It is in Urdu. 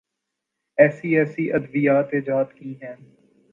ایسی ایسی ادویات ایجاد کی ہیں۔